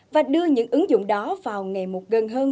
và đưa những ứng dụng đó vào ngày một gần hơn